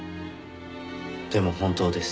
でも本当です。